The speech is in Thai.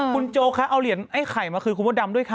คุณโจ๊กคะเอาเหรียญไอ้ไข่มาคืนคุณมดดำด้วยค่ะ